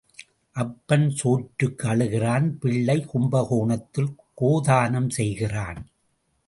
அப்பன் சோற்றுக்கு அழுகிறான் பிள்ளை கும்பகோணத்தில் கோதானம் செய்கிறான்.